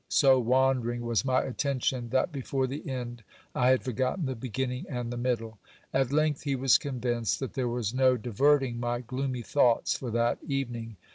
So wandering was my attention, that before the end I had forgotten the beginning and the middle. At length he was convinced that there was no diverting my gloomy thoughts for that evening.